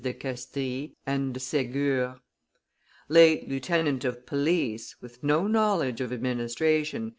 de Castries and de Segur. Late lieutenant of police, with no knowledge of administration, M.